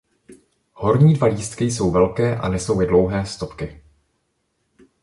Horní dva lístky jsou velké a nesou je dlouhé stopky.